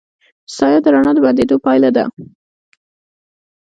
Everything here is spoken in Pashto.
سایه د رڼا د بندېدو پایله ده.